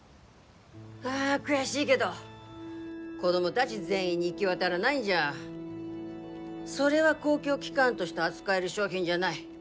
あ悔しいげど子供だぢ全員に行ぎ渡らないんじゃそれは公共機関として扱える商品じゃない。